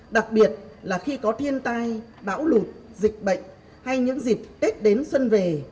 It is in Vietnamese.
đặc biệt là khi có thiên tai bão lụt dịch bệnh hay những dịp tết đến xuân về